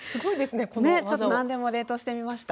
ちょっと何でも冷凍してみました。